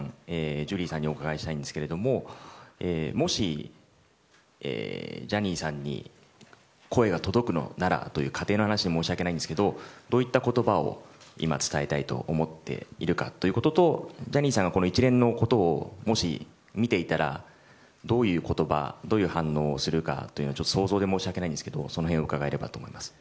ジュリーさんにお伺いしたいんですがもしジャニーさんに声が届くのならという仮定の話で申し訳ないんですがどういった言葉を今、伝えたいと思っているかとジャニーさんが一連のことをもし見ていたらどういう言葉どういう反応をするか想像で申し訳ないんですがお願いします。